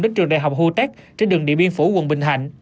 đến trường đại học hutec trên đường địa biên phủ quận bình thạnh